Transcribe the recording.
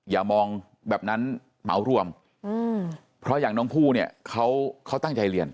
อย่ามองแบบนั้นเหมารวมเพราะอย่างน้องผู้เนี่ยเขาตั้งใจเรียน